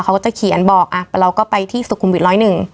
เขาก็จะเขียนบอกเราก็ไปที่สุขุมวิท๑๐๑